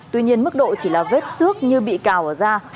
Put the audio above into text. tuy nhiên mức độ chỉ là vết xước như bị cào ở da